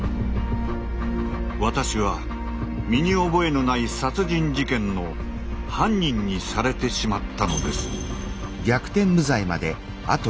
私は身に覚えのない殺人事件の犯人にされてしまったのです。